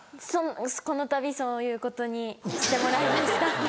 このたびそういうことにしてもらいました。